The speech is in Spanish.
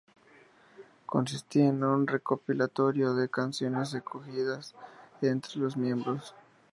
Consistía en un recopilatorio de canciones escogidas entre los miembros.